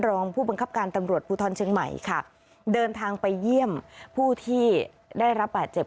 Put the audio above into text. รองผู้บังคับการตำรวจภูทรเชียงใหม่ค่ะเดินทางไปเยี่ยมผู้ที่ได้รับบาดเจ็บ